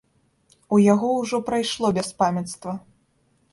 У яго ўжо прайшло бяспамяцтва.